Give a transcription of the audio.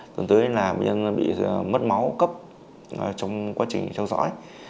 tương tự là biến nhân bị mất máu cấp trong quá trình theo dõi